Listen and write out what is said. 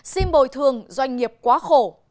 xin bồi thường doanh nghiệp quá khổ